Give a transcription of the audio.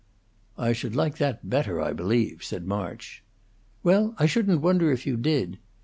"I should like that better, I believe," said March. "Well, I shouldn't wonder if you did.